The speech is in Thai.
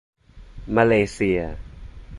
มาเลเซีย